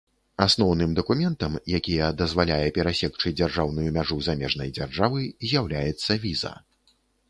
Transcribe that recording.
Асноўным дакументам, якія дазваляе перасекчы дзяржаўную мяжу замежнай дзяржавы, з'яўляецца віза.